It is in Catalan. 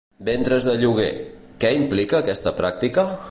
Ventres de lloguer: què implica aquesta pràctica?